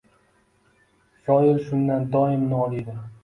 Shoir shundan doim noliydi.